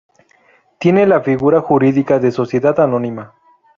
Tiene la figura jurídica de sociedad anónima.